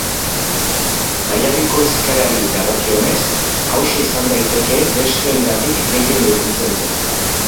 Mallabiko hizkerari dagokionez, hauxe izan daiteke besteengandik gehien urruntzen dena.